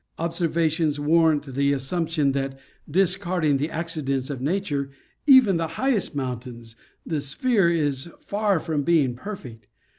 Observations warrant the assumption that, discarding the accidents of nature—even the highést mountains—the sphere is far from being perfect.